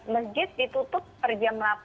masjid ditutup per jam delapan